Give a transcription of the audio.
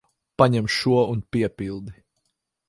Paņem šo un piepildi.